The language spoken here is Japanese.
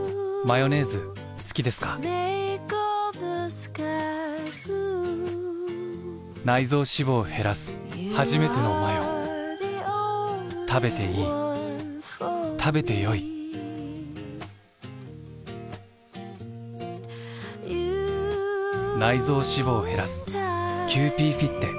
ヨネーズ好きですか臓脂肪を減らすはじめてのマヨべていい食べてよいキユーピーフィッテ」